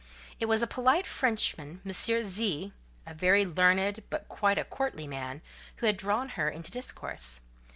It was a polite Frenchman, M. Z——, a very learned, but quite a courtly man, who had drawn her into discourse.